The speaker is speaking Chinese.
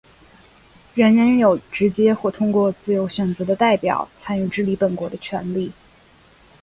人人有直接或通过自由选择的代表参与治理本国的权利。